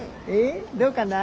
どうかな？